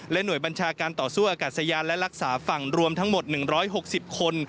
หน่วยบัญชาการต่อสู้อากาศยานและรักษาฝั่งรวมทั้งหมด๑๖๐คน